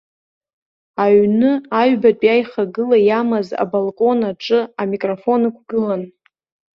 Аҩны аҩбатәи аихагыла иамаз абалкон аҿы амикрофон ықәгылан.